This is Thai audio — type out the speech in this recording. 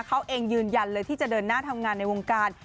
เขาเองยืนยันเลยที่จะเดินหน้าทำงานในวงการ